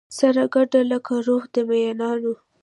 سره ګډو لکه روح د مینانو